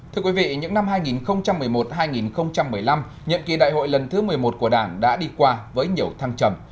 thưa quý vị những năm hai nghìn một mươi một hai nghìn một mươi năm nhiệm kỳ đại hội lần thứ một mươi một của đảng đã đi qua với nhiều thăng trầm